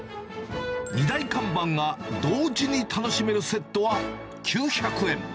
２大看板が同時に楽しめるセットは９００円。